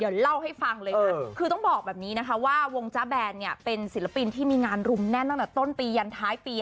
เดี๋ยวเล่าให้ฟังเลยค่ะคือต้องบอกแบบนี้นะคะว่าวงจ้าแบนเนี่ยเป็นศิลปินที่มีงานรุมแน่นตั้งแต่ต้นปียันท้ายปี